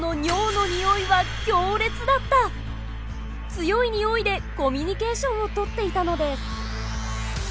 強いニオイでコミュニケーションをとっていたのです。